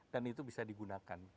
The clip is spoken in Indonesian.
dan itu bisa digunakan